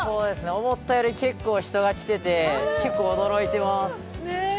◆思ったよりも結構人が来てて、結構驚いてます。